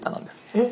えっ！